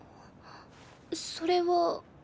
それは。